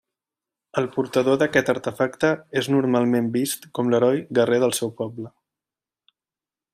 El portador d'aquest artefacte és normalment vist com l'heroi guerrer del seu poble.